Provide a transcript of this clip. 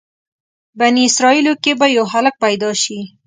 بني اسرایلو کې به یو هلک پیدا شي.